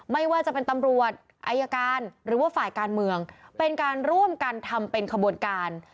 ไม่ว่าจะเป็นตำรวจอายการหรือว่าฝ่ายการเมืองเป็นการร่วมกันทำเป็นขบวนการ